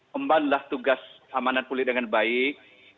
kembalilah tugas amanah pulih dengan baik